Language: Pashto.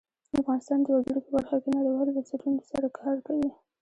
افغانستان د وګړي په برخه کې نړیوالو بنسټونو سره کار کوي.